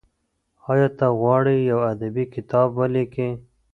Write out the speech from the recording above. ایا ته غواړې یو ادبي کتاب ولیکې؟